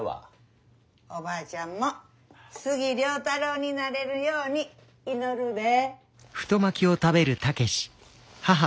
おばあちゃんも杉良太郎になれるように祈るで。